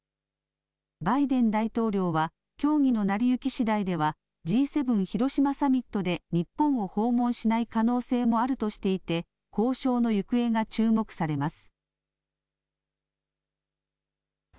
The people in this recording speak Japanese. バイデン大統領は協議の成り行きしだいではＧ７広島サミットで日本を訪問しない可能性もあるとしていて交渉の行方が注目されます。